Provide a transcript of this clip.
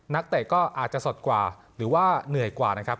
เตะก็อาจจะสดกว่าหรือว่าเหนื่อยกว่านะครับ